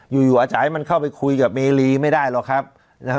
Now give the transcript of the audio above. อยู่อาจารย์มันเข้าไปคุยกับเมรีไม่ได้หรอกครับ